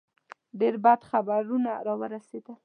ډېر بد خبرونه را رسېدل.